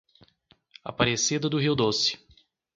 Aparecida do Rio Doce